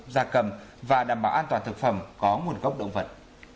gia cầm và đảm bảo an toàn thực phẩm có nguồn gốc động vật